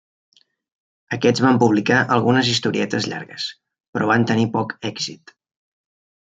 Aquests van publicar algunes historietes llargues, però van tenir poc èxit.